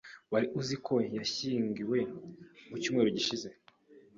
Wari uzi ko yashyingiwe mu cyumweru gishize?